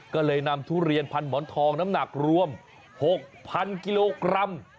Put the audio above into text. ก็เลยนำทุเรียนพันหมอนทองน้ำหนักรวม๖๐๐กิโลกรัม